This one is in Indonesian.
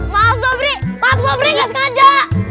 maaf sobri maaf sobri nggak sengaja